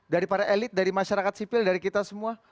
dari para elit dari masyarakat sipil dari kita semua